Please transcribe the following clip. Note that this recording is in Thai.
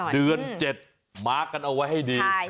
เดือน๗มาร์คกันเอาไว้ให้ดี